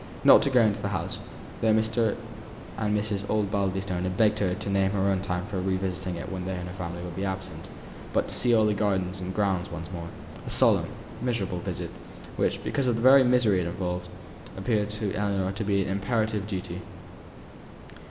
Not to go into the house, though Mr. and Mrs. Osbaldistone had begged her to name her own time for revisiting it when they and their family would be absent, but to see all the gardens and grounds once more; a solemn, miserable visit, which, because of the very misery it involved, appeared to Ellinor to be an imperative duty.